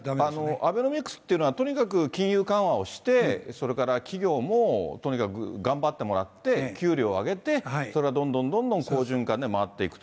アベノミクスというのはとにかく金融緩和をして、それから企業もとにかく頑張ってもらって給料を上げて、それがどんどんどんどん好循環で回っていくと。